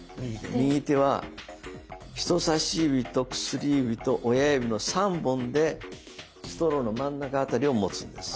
右手は人さし指と薬指と親指の３本でストローの真ん中あたりを持つんです。